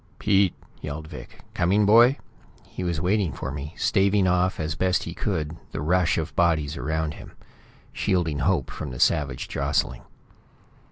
"Pete!" yelled Vic. "Coming, boy?" He was waiting for me, staving off as best he could the rush of bodies around him; shielding Hope from the savage jostling.